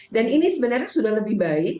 ini sebenarnya sudah lebih baik